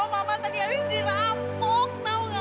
mama tadi habis diramok tau gak